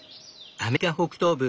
アメリカ北東部